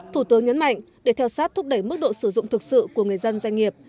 thủ tướng nhấn mạnh để theo sát thúc đẩy mức độ sử dụng thực sự của người dân doanh nghiệp